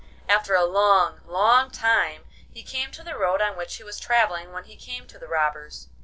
After a long, long time he came to the road on which he was travelling when he came to the robbers.